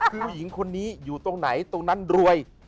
คือผู้หญิงคนนี้อยู่ตรงไหนตรงนั้นรวย